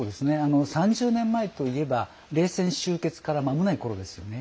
３０年前といえば冷戦終結からまもないころですよね。